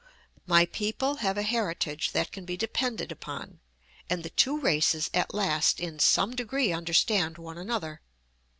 My people have a heritage that can be depended upon, and the two races at last in some degree understand one another.